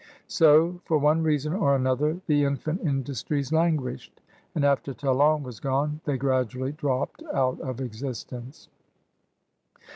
So, for one reason or another, the infant industries languished, and, after Talon was gone, they gradually dropped out of existence.